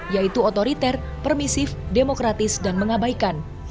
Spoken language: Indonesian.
yaitu otoriter permisif demokratis dan mengabaikan